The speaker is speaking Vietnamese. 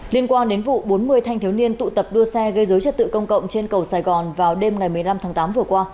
liên quan đến vụ bốn mươi thanh thiếu niên tụ tập đua xe gây dối trật tự công cộng trên cầu sài gòn vào đêm ngày một mươi năm tháng tám vừa qua